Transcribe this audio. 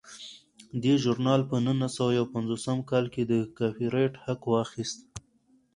دې ژورنال په نولس سوه یو پنځوس کال کې د کاپي رایټ حق واخیست.